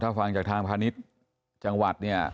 อ่าถ้าฟังจากทางธานิจจังหวัดเนี่ย